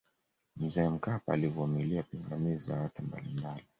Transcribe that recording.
mzee mkapa alivumilia pingamizi za watu mbalimbali